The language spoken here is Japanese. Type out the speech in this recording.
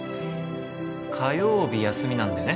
火曜日休みなんだよね？